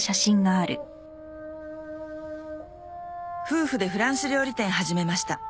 「夫婦でフランス料理店始めました」